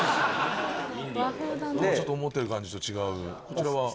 ちょっと思ってる感じと違うこちらは？